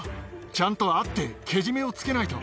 ちゃんと会って、けじめをつけないと。